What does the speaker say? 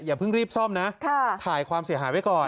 อย่าเพิ่งรีบซ่อมนะถ่ายความเสียหายไว้ก่อน